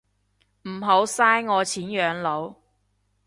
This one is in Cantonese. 唔好嘥我錢養老